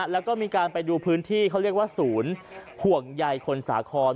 แล้วก็มีการไปดูพื้นที่เขาเรียกว่าศูนย์ห่วงใยคนสาคร